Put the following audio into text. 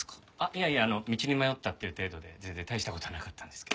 いやいや道に迷ったっていう程度で全然大した事はなかったんですけど。